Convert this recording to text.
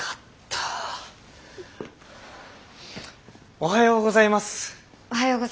おはようございます。